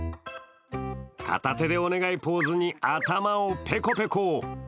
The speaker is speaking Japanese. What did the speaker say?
片手でお願いポーズに頭をペコペコ。